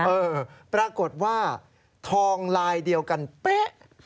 เออปรากฏว่าทองลายเดียวกันเป๊ะ